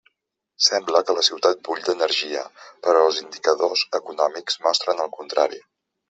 Sembla que la ciutat bull d'energia; però els indicadors econòmics mostren el contrari.